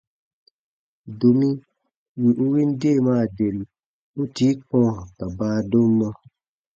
Domi wì u win deemaa deri, u tii kɔ̃wa ka baadomma.